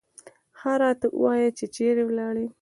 ښه راته ووایه چې چېرې ولاړې.